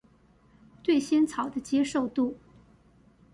對仙草的接受度